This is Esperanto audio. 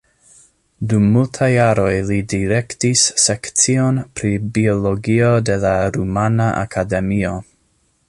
Dum multaj jaroj li direktis sekcion pri biologio de la Rumana Akademio.